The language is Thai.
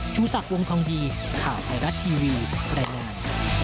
ชูศักดิ์วงทองดีข่าวไทยรัฐทีวีรายงาน